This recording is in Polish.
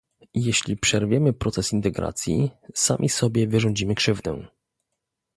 Jeśli przerwiemy proces integracji, sami sobie wyrządzimy krzywdę